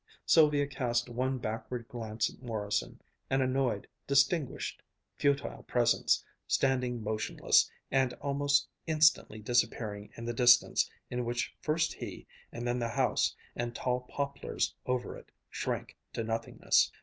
Sylvia cast one backward glance at Morrison, an annoyed, distinguished, futile presence, standing motionless, and almost instantly disappearing in the distance in which first he, and then the house and tall poplars over it, shrank to nothingness.